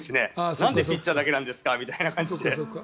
なんでピッチャーだけなんですかみたいな感じで。